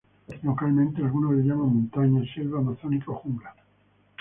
Localmente algunos le llaman "montaña", selva amazónica o jungla.